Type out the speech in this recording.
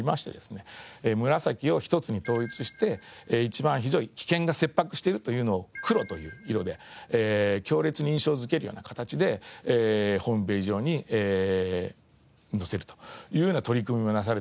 紫を一つに統一して一番ひどい危険が切迫しているというのを黒という色で強烈に印象づけるような形でホームページ上に載せるというような取り組みもなされていまして。